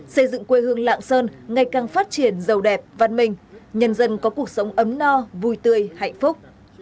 xây dựng quê hương lạng sơn ngày càng phát triển giàu đẹp văn minh nhân dân có cuộc sống ấm no vui tươi hạnh phúc